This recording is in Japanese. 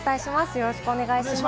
よろしくお願いします。